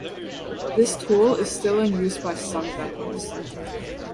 This tool is still in use by some vendors.